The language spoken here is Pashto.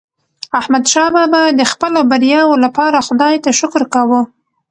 احمدشاه بابا د خپلو بریاوو لپاره خداي ته شکر کاوه.